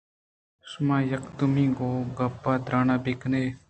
۔شما یکدومی ءِ گوں گپ ءُ تران بہ کن اِت۔